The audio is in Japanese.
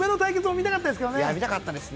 見たかったですね。